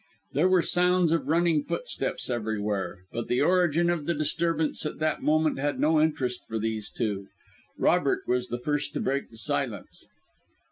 There were sounds of running footsteps everywhere; but the origin of the disturbance at that moment had no interest for these two. Robert was the first to break the silence.